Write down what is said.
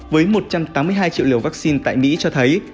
với một trăm tám mươi hai triệu liều vaccine tại mỹ cho thấy